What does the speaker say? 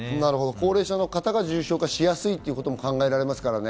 高齢者の方が重症化しやすいとも考えられますからね。